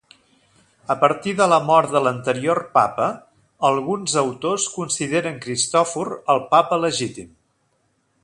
A partir de la mort de l'anterior Papa, alguns autors consideren Cristòfor el Papa legítim.